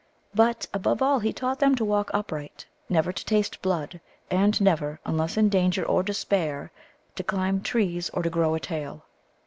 But, above all, he taught them to walk upright, never to taste blood, and never, unless in danger or despair, to climb trees or to grow a tail.